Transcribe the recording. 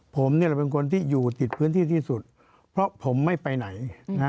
ผมนี่แหละเป็นคนที่อยู่ติดพื้นที่ที่สุดเพราะผมไม่ไปไหน